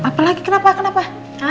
apalagi kenapa kenapa